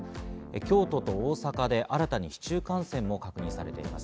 京都、大阪で新たに市中感染も確認されています。